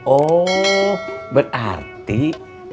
oh berarti kang dadeng sekarang nggak pamer